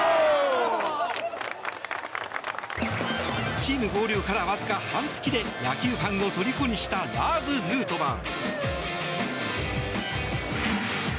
チーム合流からわずか半月で野球ファンをとりこにしたラーズ・ヌートバー。